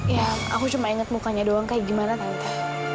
ya aku cuma inget mukanya doang kayak gimana tante